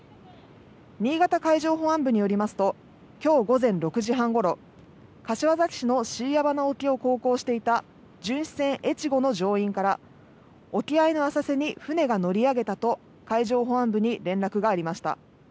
新潟海上保安部によりますときょう午前６時半ごろ、柏崎市の椎谷鼻沖を航行していた巡視船えちごの乗員から沖合の浅瀬に船が乗り上げたと海上保安部に連絡がありました。